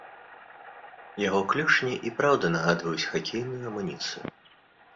Яго клюшні і праўда нагадваюць хакейную амуніцыю.